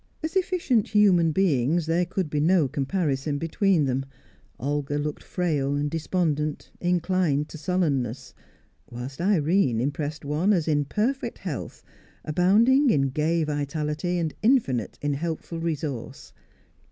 As efficient human beings, there could be no comparison between them; Olga looked frail, despondent, inclined to sullenness, whilst Irene impressed one as in perfect health, abounding in gay vitality, infinite in helpful resource.